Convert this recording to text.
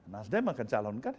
nasdem akan calon kan